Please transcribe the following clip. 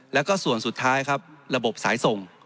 แล้วก็ส่วนสุดท้ายครับระบบสายส่ง